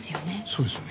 そうですね。